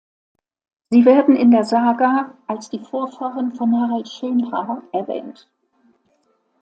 Sie werden in der Saga als die Vorfahren von Harald Schönhaar erwähnt.